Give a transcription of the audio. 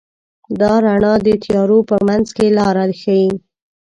دا رڼا د تیارو په منځ کې لاره ښيي.